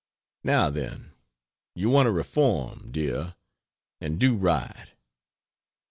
Now then you want to reform dear and do right.